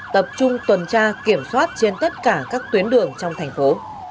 tập trung tuần tra kiểm soát trên tất cả các tuyến đường trong thành phố